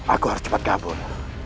aku harus cepat kabur